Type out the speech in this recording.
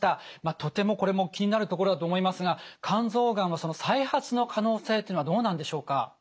とてもこれも気になるところだと思いますが肝臓がんは再発の可能性っていうのはどうなんでしょうか？